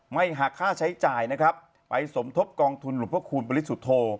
หากค่าใช้จ่ายนะครับไปสมทบกองทุนหลวงพระคูณปริสุทธโธ